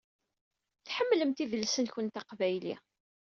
Tḥemmlemt idles-nkent aqbayli.